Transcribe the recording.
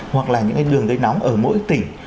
hoặc là những cái đường dây nóng ở mỗi tỉnh